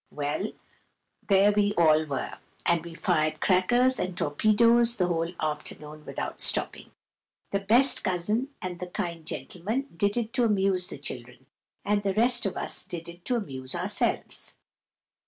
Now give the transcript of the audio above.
Well, there we all were, and we fired crackers and torpedoes the whole afternoon without stopping. The best cousin and the kind gentleman did it to amuse the children, and the rest of us did it to amuse ourselves.